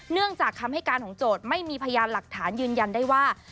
เนื่องจากคำให้การของโจทย์ไม่มีพยานหลักฐานยืนยันได้ว่า